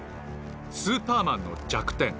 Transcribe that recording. スーパーマンの弱点